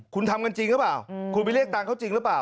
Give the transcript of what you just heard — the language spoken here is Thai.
คุณทำกันจริงหรือเปล่าคุณไปเรียกตังค์เขาจริงหรือเปล่า